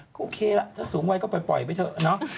ก็โอเคล่ะถ้าสูงวัยก็ปล่อยไปเถอะเนาะ